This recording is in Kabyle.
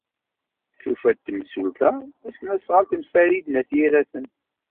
Tufa-d temsulta tasnasɣalt n Farid n At Yiraten.